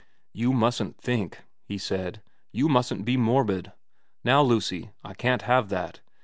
* You mustn't think,' he said. ' You mustn't be morbid. Now Lucy, I can't have that.